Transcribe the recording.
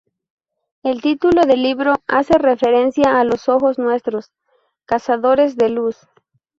El título del libro hace referencia a los ojos, nuestros "cazadores de luz".